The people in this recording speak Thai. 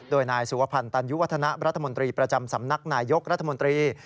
โดยนายสุวพันธ์ตันยุวัฒนะรัฐมนตรีประจำสำนักนายยกรัฐมนตรี